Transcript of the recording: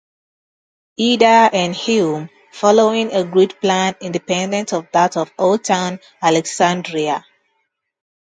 Ida, and Hume, following a grid plan independent of that of Old Town Alexandria.